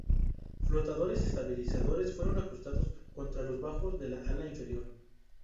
Flotadores estabilizadores fueron ajustados contra los bajos del ala inferior.